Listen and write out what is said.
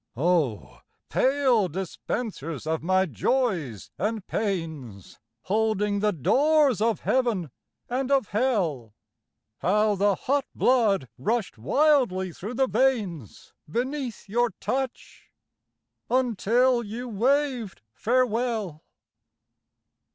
Oh, pale dispensers of my Joys and Pains, Holding the doors of Heaven and of Hell, How the hot blood rushed wildly through the veins Beneath your touch, until you waved farewell.